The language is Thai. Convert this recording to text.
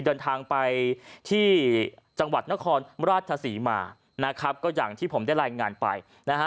เดินทางไปที่จังหวัดนครราชศรีมานะครับก็อย่างที่ผมได้รายงานไปนะฮะ